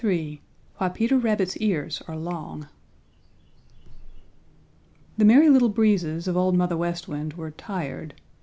III WHY PETER RABBIT'S EARS ARE LONG The Merry Little Breezes of Old Mother West Wind were tired.